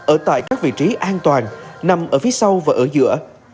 ở tại các vị trí an toàn nằm ở phía sau và ở giữa